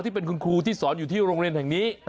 ที่เป็นคุณครูที่สอนอยู่ที่โรงเรียนแห่งนี้